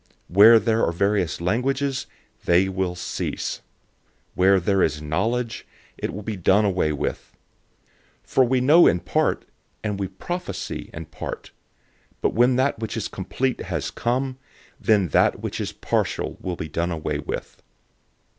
Where there are various languages, they will cease. Where there is knowledge, it will be done away with. 013:009 For we know in part, and we prophesy in part; 013:010 but when that which is complete has come, then that which is partial will be done away with.